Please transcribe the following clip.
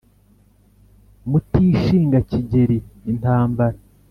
Mutishinga Kigeli intambara